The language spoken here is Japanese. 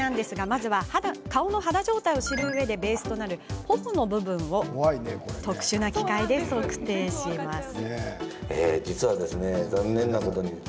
まずは、顔の肌状態を知るうえでベースとなる頬の部分を特殊な機械で測定します。